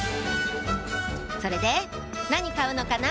それで何買うのかな？